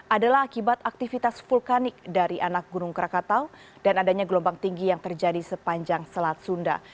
adalah akibat aktivitas vulkanik dari anak gunung krakatau dan adanya gelombang tinggi yang terjadi sepanjang selat sunda